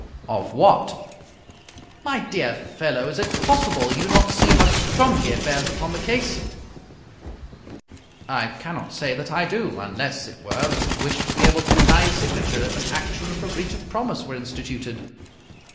"Of what?" " My dear fellow, is it possible you do not see how strongly it bears upon the case ?"" I cannot say that I do, unless it were that he wished to be able to deny his signature if an action for breach' of promise were instituted."